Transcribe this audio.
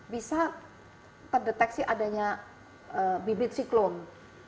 bisa terdeteksi adanya bibit siklus ya